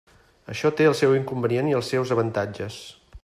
Això té el seu inconvenient i els seus avantatges.